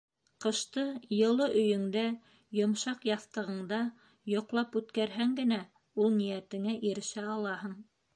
— Ҡышты йылы өйөңдә, йомшаҡ яҫтығыңда йоҡлап үткәрһәң генә, ул ниәтеңә ирешә алаһың.